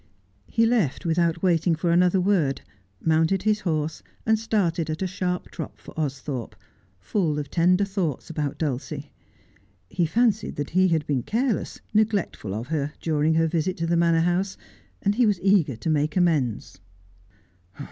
He left without waiting for another word, mounted his horse, and started at a sharp trot for Austhorpe, full of tender thoughts about Dulcie. He fancied that he had been careless, neglectful of her during her visit to the Manor House, and he was eager to make amends.